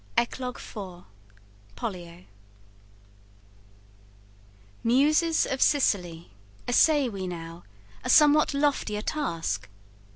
ECLOGUE IV POLLIO Muses of Sicily, essay we now A somewhat loftier task!